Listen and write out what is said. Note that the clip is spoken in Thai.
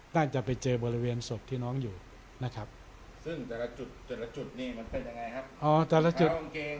น่าจะไปเจอบริเวณศพที่น้องอยู่นะครับซึ่งแต่ละจุดแต่ละจุดนี่มันเป็นยังไงครับอ๋อแต่ละจุด